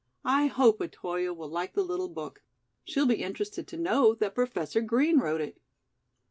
I hope Otoyo will like the little book. She'll be interested to know that Professor Green wrote it."